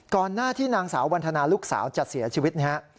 ก่อนหน้าที่นางสาววันธนาลูกสาวจะเสียชีวิตนะครับ